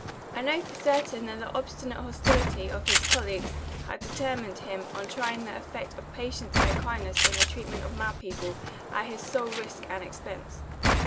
I know for certain that the obstinate hostility of his colleagues had determined him on trying the effect of patience and kindness in the treatment of mad people, at his sole risk and expense.